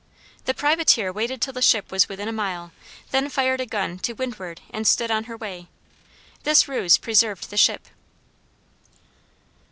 The privateer waited till the ship was within a mile, then fired a gun to windward, and stood on her way. This ruse preserved the ship.